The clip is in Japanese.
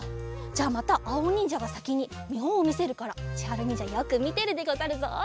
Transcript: じゃあまたあおにんじゃがさきにみほんをみせるからちはるにんじゃよくみてるでござるぞ。